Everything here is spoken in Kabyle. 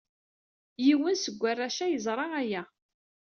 Yiwen ser warrac-a yeẓra aya.